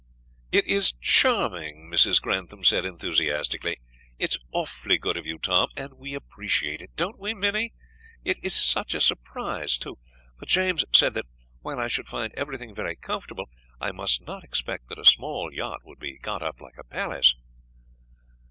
"It is charming!" Mrs. Grantham said enthusiastically. "It's awfully good of you, Tom, and we appreciate it; don't we, Minnie? It is such a surprise, too; for James said that while I should find everything very comfortable, I must not expect that a small yacht would be got up like a palace."